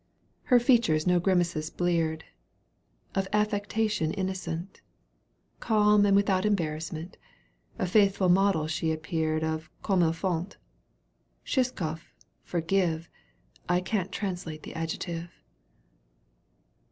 ' Her features no grimaces bleared ; Of affectation innocent. Calm and without embarrassment, A faithful model she appeared ^ Of " comme fl faut." Shishkifif, forgive ! I can't translate the adjective.